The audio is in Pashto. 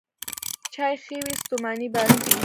چای ښې وې، ستوماني باسي.